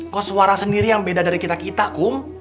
koswara sendiri yang beda dari kita kita kum